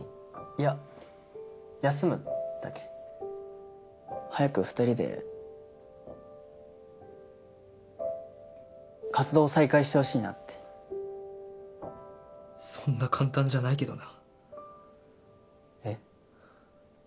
いや休むだけ早く２人で活動再開してほしいなってそんな簡単じゃないけどなえっ？